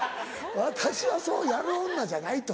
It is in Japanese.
「私はそうやる女じゃない」と。